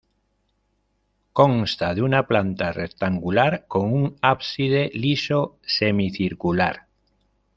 Consta de una planta rectangular con un ábside liso semicircular.